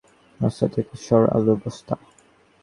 রাস্তা থেকে সর, আলুর বস্তা।